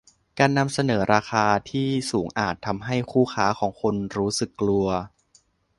การนำเสนอราคาที่สูงอาจทำให้คู่ค้าของคุณรู้สึกกลัว